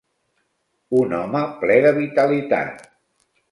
Un home ple de vitalitat.